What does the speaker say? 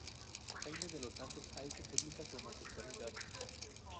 Jaime de los Santos ha hecho pública su homosexualidad.